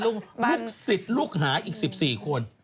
ลูกศิษย์ลูกหาอีก๑๔คน